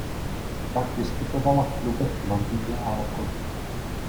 Pak vystupovala v klubech v Londýně a okolí.